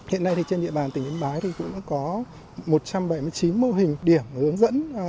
hiện nay trên địa bàn tỉnh yến bái cũng có một trăm bảy mươi chín mô hình điểm hướng dẫn